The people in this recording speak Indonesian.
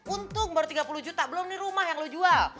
untung baru tiga puluh juta belum nih rumah yang lo jual